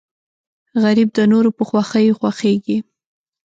غریب د نورو په خوښیو خوښېږي